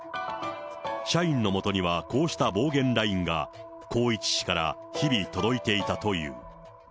社員のもとにはこうした暴言ＬＩＮＥが宏一氏から日々届いていたという。